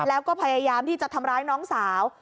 แล้วก็พยายามที่จะทำร้ายน้องสาว